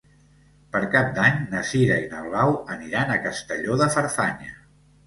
Per Cap d'Any na Sira i na Blau aniran a Castelló de Farfanya.